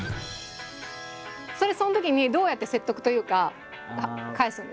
それそのときにどうやって説得というか返すんですか？